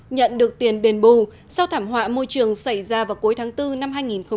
nhận được tiền đền bù sau thảm họa môi trường xảy ra vào cuối tháng bốn năm hai nghìn hai mươi